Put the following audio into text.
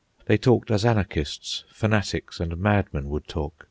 They talked as anarchists, fanatics, and madmen would talk.